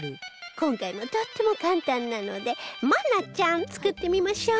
今回もとっても簡単なので愛菜ちゃん作ってみましょう